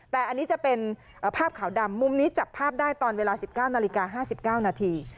แต่อันนี้จะเป็นภาพขาวดำมุมนี้จับภาพได้ตอนเวลา๑๙นาฬิกา๕๙นาที